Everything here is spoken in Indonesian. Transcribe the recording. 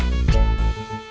aiyaih apaan sih gua